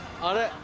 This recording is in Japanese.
あれ？